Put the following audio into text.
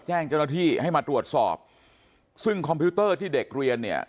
แจ้งเจ้าหน้าที่ให้มาตรวจสอบซึ่งคอมพิวเตอร์ที่เด็กเรียนเนี่ย